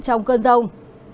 trong cơn rông